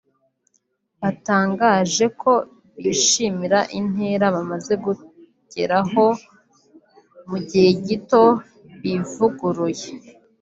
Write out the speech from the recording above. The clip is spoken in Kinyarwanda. batangaje ko bishimira intera bamaze kugeraho mu gihe gito bivuguruye